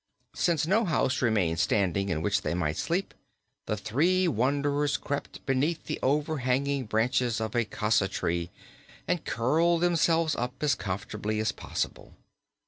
Since no house remained standing, in which they might sleep, the three wanderers crept beneath the overhanging branches of a cassa tree and curled themselves up as comfortably as possible.